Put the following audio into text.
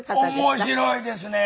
面白いですね。